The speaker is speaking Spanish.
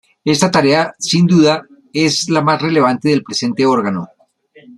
Esta tarea, sin duda, es la más relevante del presente órgano.